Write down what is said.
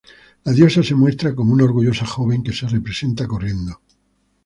La diosa se muestra como una orgullosa joven que se representa corriendo.